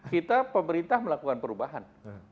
kita pemerintah melakukan perubahan